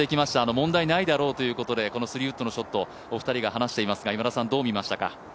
問題ないであろうということで、３ウッドのショット、お二人が話していますが、今田さん、どう見ましたか。